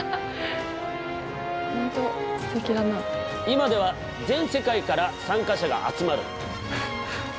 今では全世界から参加者が集まる。